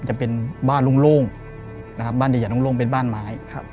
จะเป็นบ้านโล่งโล่งนะครับบ้านเดี่ยวโล่งโล่งเป็นบ้านไม้ครับ